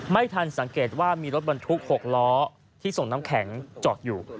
ไม่ทันสังเกตว่ามีรถบรรทุก๖ล้อที่ส่งน้ำแข็งจอดอยู่